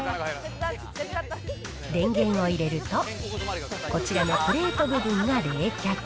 電源を入れると、こちらのプレート部分が冷却。